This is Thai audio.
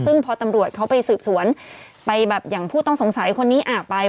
ซึ่งพอตำรวจเขาไปสืบสวนไปแบบอย่างผู้ต้องสงสัยคนนี้ไป